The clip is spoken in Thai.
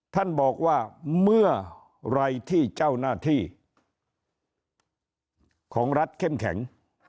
ท่านบอกว่าเมื่อไหร่ที่เจ้าหน้าที่ของรัฐเข้มแข็ง